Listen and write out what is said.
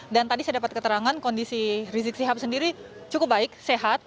dan tadi saya dapat keterangan kondisi rizik sihab sendiri cukup baik sehat